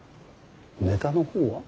ネタの方は？